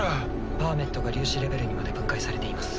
パーメットが粒子レベルにまで分解されています。